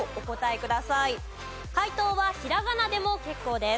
解答はひらがなでも結構です。